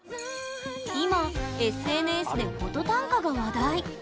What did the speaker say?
今ＳＮＳでフォト短歌が話題！